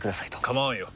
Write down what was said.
構わんよ。